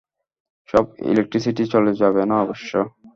সব ইলেক্ট্রিসিটি চলে যাবে না অবশ্য।